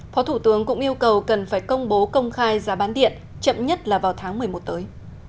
phó thủ tướng cũng yêu cầu cần phải công bố công khai giá bán điện chậm nhất là vào tháng một mươi một tới